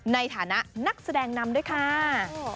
ในฐานะนักแสดงนำด้วยค่ะ